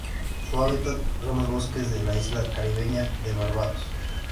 Su hábitat son los bosques de la isla caribeña de Barbados.